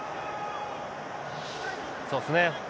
そうですね。